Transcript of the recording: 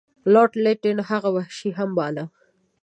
لارډ لیټن هغه وحشي هم باله.